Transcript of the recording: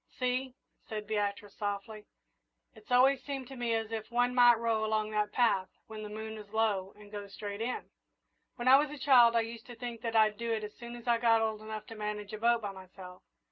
"See," said Beatrice, softly, "it's always seemed to me as if one might row along that path, when the moon is low, and go straight in. When I was a child I used to think that I'd do it as soon as I got old enough to manage a boat by myself.